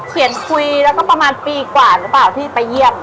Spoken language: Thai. คุยแล้วก็ประมาณปีกว่าหรือเปล่าที่ไปเยี่ยม